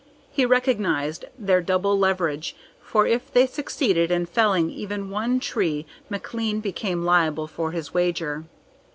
He recognized their double leverage, for if they succeeded in felling even one tree McLean became liable for his wager.